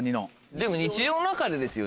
でも日常の中でですよね？